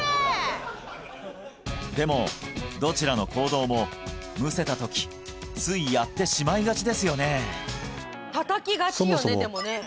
でもどちらの行動もむせたときついやってしまいがちですよね